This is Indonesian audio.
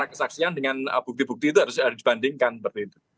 kesaksian dengan bukti bukti itu harus dibandingkan seperti itu